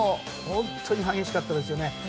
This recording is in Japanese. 本当に激しかったですよね。